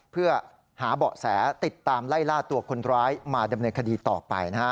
เพื่อหาเบาะแสติดตามไล่ล่าตัวคนร้ายมาดำเนินคดีต่อไปนะฮะ